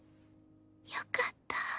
よかった。